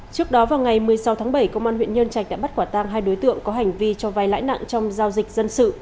trước đó vào ngày một mươi sáu tháng bảy công an huyện nhân trạch đã bắt quả tang hai đối tượng có hành vi cho vai lãi nặng trong giao dịch dân sự